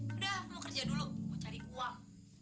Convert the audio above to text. udah mau kerja dulu mau cari uang